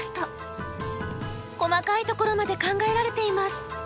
細かいところまで考えられています。